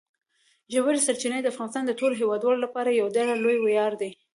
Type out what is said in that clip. ژورې سرچینې د افغانستان د ټولو هیوادوالو لپاره یو ډېر لوی ویاړ دی.